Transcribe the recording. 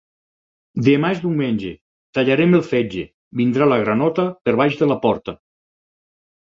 Demà és diumenge, tallarem el fetge, vindrà la granota per baix de la porta.